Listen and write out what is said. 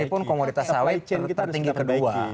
meskipun komoditas sawit tertinggi kedua